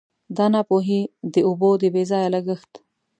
دا ناپوهي د اوبو د بې ځایه لګښت.